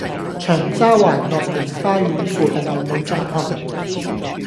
長沙灣樂年花園附近有無中學？